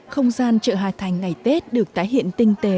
không gian chợ hà thành ngày tết được tái hiện tinh tế